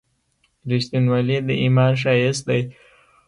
• رښتینولي د ایمان ښایست دی.